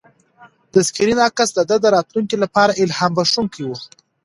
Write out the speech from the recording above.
د سکرین عکس د ده د راتلونکي لپاره الهام بښونکی و.